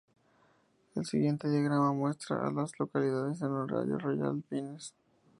El siguiente diagrama muestra a las localidades en un radio de de Royal Pines.